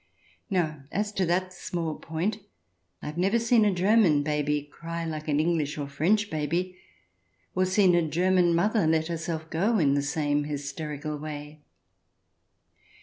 Now, as to that small point, I have never seen a German baby cry like an English or French baby, or seen a German mother let herself go in the same hysterical way.